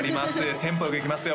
テンポよくいきますよ